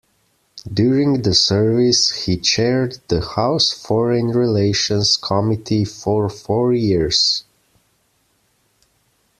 During this service, he chaired the House Foreign Relations Committee for four years.